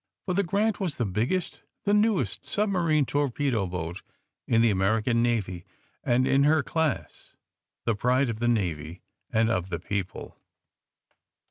For the Grant" was the biggest, the newest submarine torpedo boat in the American Navy, and, in her class, the pride of the Navy and of the people.